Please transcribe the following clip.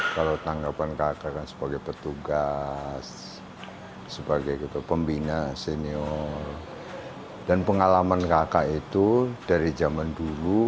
kalau tanggapan kakak kan sebagai petugas sebagai ketua pembina senior dan pengalaman kakak itu dari zaman dulu